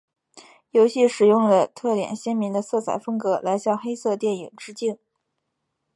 游戏使用了特点鲜明的色彩风格来向黑色电影致敬。